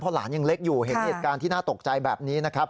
เพราะหลานยังเล็กอยู่เหตุเอกการณ์ที่น่าตกใจแบบนี้